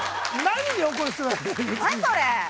何それ！